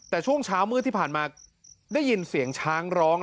แต่ช่วงเช้ามืดที่ผ่านมาได้ยินเสียงช้างร้อง